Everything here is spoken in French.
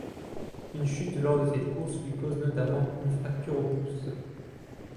Une chute lors de cette course lui cause notamment une fracture au pouce.